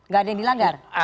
gak ada yang dilanggar